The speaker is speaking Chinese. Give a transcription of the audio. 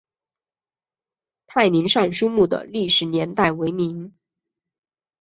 泰宁尚书墓的历史年代为明。